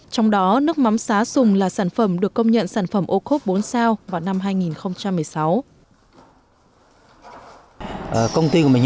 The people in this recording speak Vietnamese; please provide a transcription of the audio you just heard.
trong đó nước mắm xá sùng là sản phẩm được công nhận sản phẩm ô khốp bốn sao vào năm hai nghìn một mươi sáu